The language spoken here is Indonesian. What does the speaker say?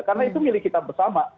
karena itu milik kita bersama